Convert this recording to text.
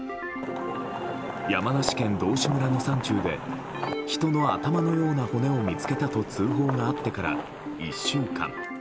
山梨県道志村の山中で人の頭のような骨を見つけたと通報があってから、１週間。